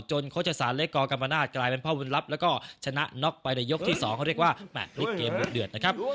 โฆษศาลเล็กกกรรมนาศกลายเป็นพ่อบุญลับแล้วก็ชนะน็อกไปในยกที่๒เขาเรียกว่าแมทพลิกเกมดุเดือดนะครับ